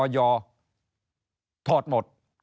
อยถอดหมด